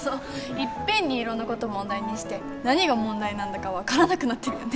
いっぺんにいろんな事を問題にして何が問題なんだか分からなくなってるよね。